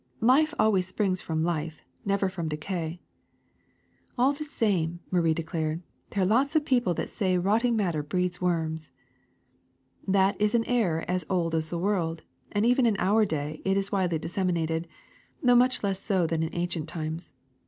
Life always springs from life, never from decay. '^ *^A11 the same,'' Marie declared, there are lots of people that say rotting matter breeds worms. " That is an error as old as the world, and even in our day it is widely disseminated, though much less so than in ancient times.